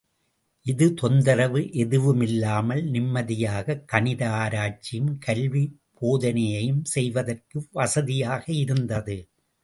இது தொந்தரவு எதுவுமில்லாமல் நிம்மதியாகக் கணித ஆராய்ச்சியும் கல்வி போதனையும் செய்வதற்கு வசதியாக இருந்தது.